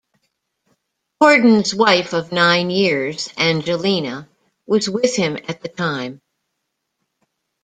Corden's wife of nine years, Angelina, was with him at the time.